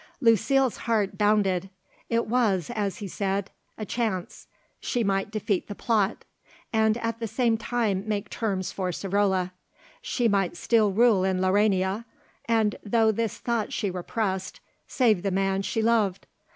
Lucile's heart bounded. It was, as he said, a chance. She might defeat the plot, and at the same time make terms for Savrola; she might still rule in Laurania, and, though this thought she repressed, save the man she loved.